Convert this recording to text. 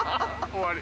終わり。